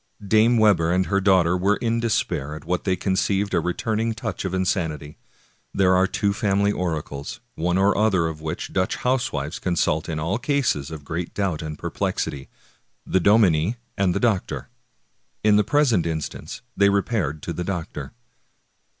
Dame Webber and her daughter were in despair at what they conceived a returning touch of insanity. There are two family oracles, one or other of which Dutch housewives consult in all cases of great doubt and perplexity, — the dominie and the doctor. In the present instance they re paired to the doctor.